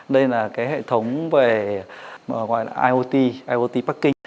đây là cái hệ thống về iot iot parking